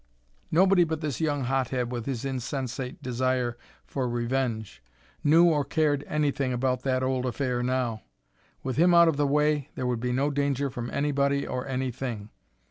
Nobody but this young hothead with his insensate desire for revenge knew or cared anything about that old affair now. With him out of the way there would be no danger from anybody or anything.